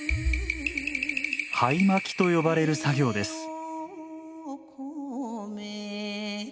灰まきと呼ばれる作業です。